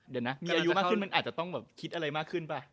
เดี๋ยวนะมีอายุมากขึ้นมันอาจจะต้องแบบคิดอะไรมากขึ้นป่ะ